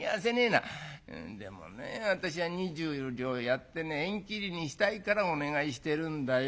「でもね私は２０両やってね縁切りにしたいからお願いしてるんだよ。